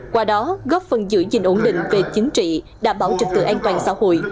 qua đó góp phần giữ gìn ổn định về chính trị đảm bảo trực tự an toàn xã hội